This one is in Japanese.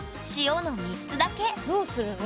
どうするの？